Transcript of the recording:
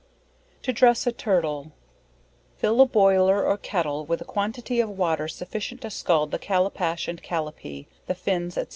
To Dress a Turtle. Fill a boiler or kettle, with a quantity of water sufficient to scald the callapach and Callapee, the fins, &c.